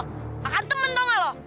makan temen tau gak lo